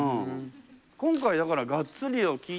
今回だからガッツリをきー